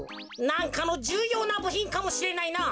なんかのじゅうようなぶひんかもしれないな。